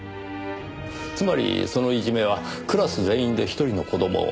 つまりそのいじめはクラス全員で一人の子供を？